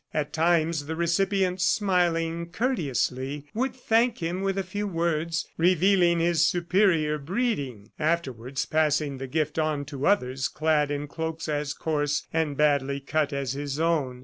At times the recipient, smiling courteously, would thank him with a few words, revealing his superior breeding afterwards passing the gift on to others clad in cloaks as coarse and badly cut as his own.